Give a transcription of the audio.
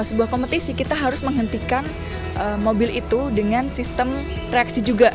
sebuah kompetisi kita harus menghentikan mobil itu dengan sistem reaksi juga